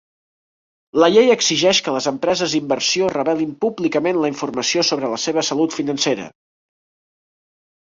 La llei exigeix que les empreses d'inversió revelin públicament la informació sobre la seva salut financera.